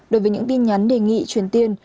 đối với những tin nhắn đề nghị chuyển tiền